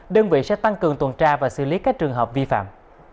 đơn vị sẽ tăng cường tuần tra và xử lý các trường hợp vi phạm